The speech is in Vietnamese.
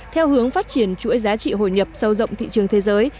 theo hướng phát triển chuỗi giá trị hội nhập sâu rộng thị trường thế giới